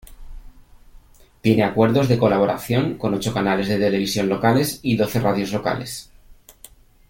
Tiene acuerdos de colaboración con ocho canales de televisión locales y doce radios locales.